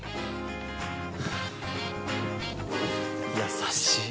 優しい。